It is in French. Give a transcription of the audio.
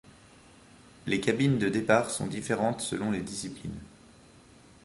Les cabines de départ sont différentes selon les disciplines.